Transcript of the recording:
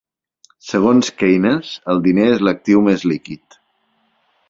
Segons Keynes, el diner és l'actiu més líquid.